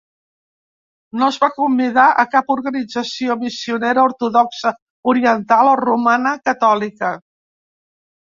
No es va convidar a cap organització missionera ortodoxa oriental o romana catòlica.